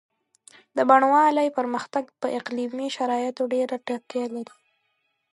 د بڼوالۍ پرمختګ په اقلیمي شرایطو ډېره تکیه لري.